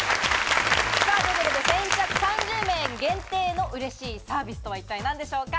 先着３０名限定の嬉しいサービスとは一体何でしょうか。